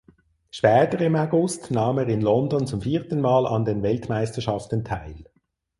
Später im August nahm er in London zum vierten Mal an den Weltmeisterschaften teil.